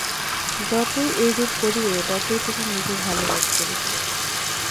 যতই এইরূপ করিবে, ততই তুমি নিজে ভাল বোধ করিবে।